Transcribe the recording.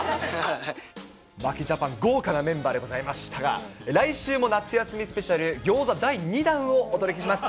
牧ジャパン、豪華なメンバーでございましたが、来週も夏休みスペシャル、ギョーザ第２弾をお届けします。